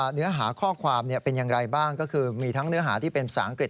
เนื้อหาข้อความเป็นยังไงบ้างมีทั้งทางเนื้อหาที่เป็นศาลอังกฤษ